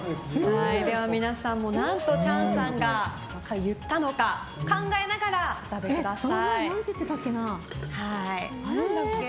皆さんも何とチャンさんが言ったのか考えながらお食べください。